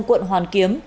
quận hoàn kiếm